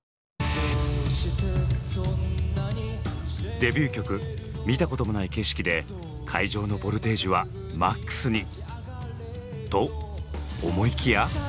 デビュー曲「見たこともない景色」で会場のボルテージはマックスに。と思いきや。